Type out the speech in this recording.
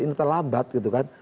ini terlambat gitu kan